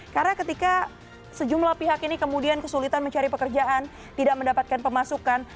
karena ketika sejumlah pihak ini kemudian kesulitan mencari pekerjaan tidak mendapatkan pemasukan